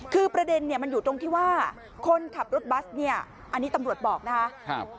คือประเด็นเนี่ยมันอยู่ตรงที่ว่าคนขับรถบัสเนี่ยอันนี้ตำรวจบอกนะครับ